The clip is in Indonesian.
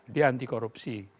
dia anti korupsi